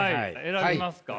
選びますか？